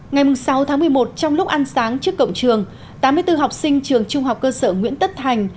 ngày sáu tháng một mươi một trong lúc ăn sáng trước cổng trường tám mươi bốn học sinh trường trung học cơ sở nguyễn tất thành